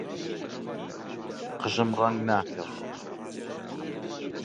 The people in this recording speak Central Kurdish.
قژم ڕەنگ ناکەم.